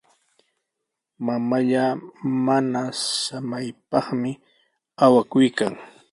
Mamallaa mana samaypami awakuykan.